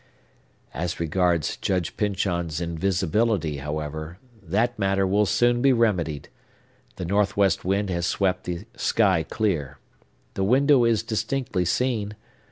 As regards Judge Pyncheon's invisibility, however, that matter will soon be remedied. The northwest wind has swept the sky clear. The window is distinctly seen.